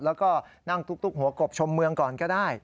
แล้วก็นั่งตุ๊กหัวกบชมเมืองก่อนก็ได้